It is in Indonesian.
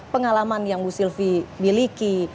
pengalaman yang ibu sylvie miliki